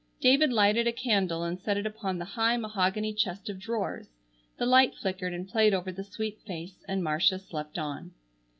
David lighted a candle and set it upon the high mahogany chest of drawers. The light flickered and played over the sweet face and Marcia slept on.